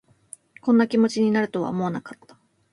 こんな気持ちになるとは思わなかった